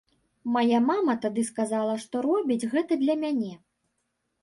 Мая мама тады сказала, што робіць гэта для мяне.